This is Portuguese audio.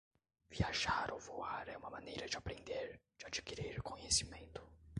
Viajar ou voar é uma maneira de aprender, de adquirir conhecimento.